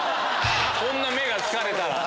こんな目が疲れたら。